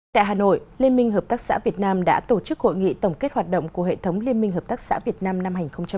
tại hà nội liên minh hợp tác xã việt nam đã tổ chức hội nghị tổng kết hoạt động của hệ thống liên minh hợp tác xã việt nam năm hai nghìn một mươi chín